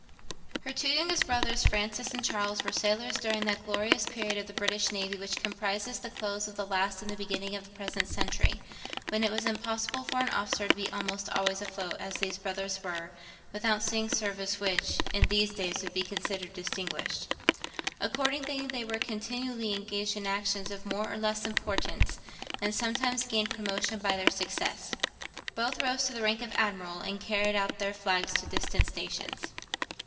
Her two youngest brothers, Francis and Charles, were sailors during that glorious period of the British navy which comprises the close of the last and the beginning of the present century, when it was impossible for an officer to be almost always afloat, as these brothers were, without seeing service which, in these days, would be considered distinguished. Accordingly, they were continually engaged in actions of more or less importance, and sometimes gained promotion by their success. Both rose to the rank of Admiral, and carried out their flags to distant stations.